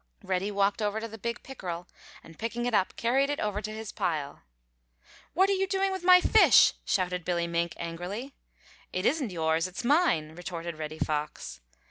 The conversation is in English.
Reddy walked over to the big pickerel and picking it up, carried it over to his pile. "What are you doing with my fish?" shouted Billy Mink angrily. "It isn't yours, it's mine!" retorted Reddy Fox.